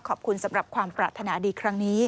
ขอบคุณสำหรับความปรารถนาดีครั้งนี้